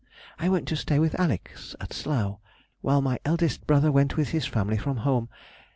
_—I went to stay with Alex. at Slough while my eldest brother went with his family from home.